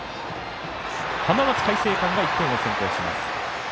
浜松開誠館が１点を先行します。